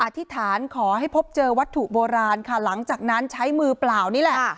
อธิษฐานขอให้พบเจอวัตถุโบราณค่ะหลังจากนั้นใช้มือเปล่านี่แหละ